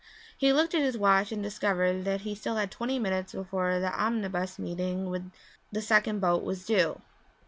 He looked at his watch and discovered that he still had twenty minutes before the omnibus meeting the second boat was due.